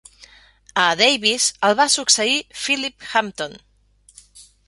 A Davis el va succeir Philip Hampton.